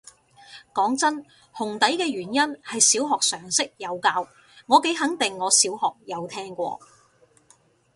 講真，紅底嘅原因係小學常識有教，我幾肯定我小學有聽過